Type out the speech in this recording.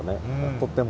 とっても。